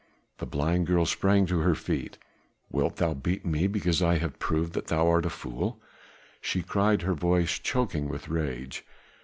The blind girl sprang to her feet. "Wilt thou beat me because I have proved that thou art the fool?" she cried, her voice choking with rage.